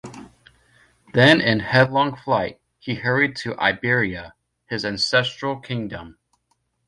Then in headlong flight he hurried to Iberia, his ancestral kingdom.